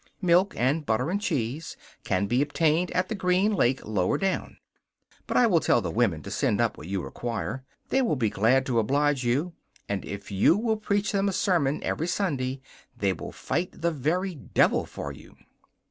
Milk and butter and cheese can be obtained at the Green Lake lower down; but I will tell the women to send up what you require. They will be glad to oblige you; and if you will preach them a sermon every Sunday, they will fight the very devil for you!